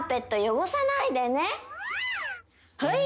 はい！